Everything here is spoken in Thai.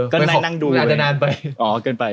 ครั้งนี้เป็นปันสัก๑๐ปี